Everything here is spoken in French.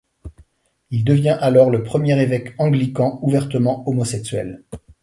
Il devient alors le premier évêque anglican ouvertement homosexuel.